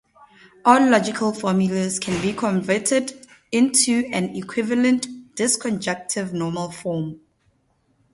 All logical formulas can be converted into an equivalent disjunctive normal form.